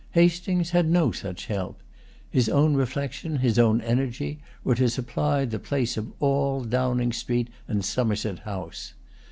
Hastings had no such help. His own reflection, his own energy, were to supply the place of all Downing Street and Somerset House.